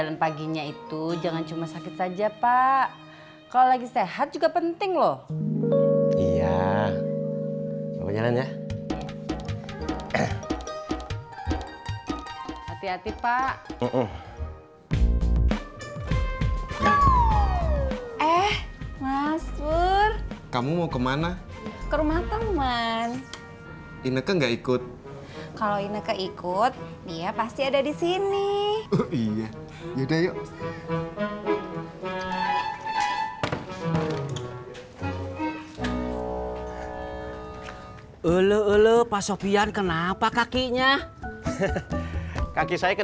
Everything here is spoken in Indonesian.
sampai jumpa di video selanjutnya